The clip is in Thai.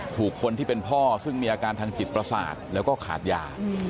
ถูกคนที่เป็นพ่อซึ่งมีอาการทางจิตประสาทแล้วก็ขาดยา